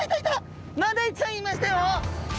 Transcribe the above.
マダイちゃんいましたよ！